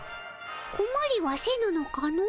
こまりはせぬのかの？